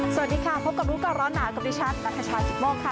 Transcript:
สวัสดีค่ะพบกับรู้ก่อนร้อนหนาวกับดิฉันนัทชายกิตโมกค่ะ